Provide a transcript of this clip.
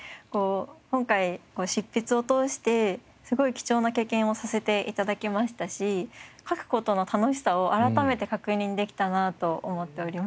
今回執筆を通してすごい貴重な経験をさせて頂きましたし書く事の楽しさを改めて確認できたなと思っております。